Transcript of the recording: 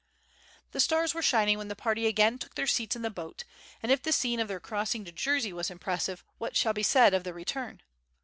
The stars were shining when the party again took their seats in the boat; and if the scene of their crossing to Jersey was impressive, what shall be said of the return?